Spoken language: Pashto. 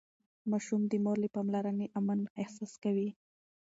ماشوم د مور له پاملرنې امن احساس کوي.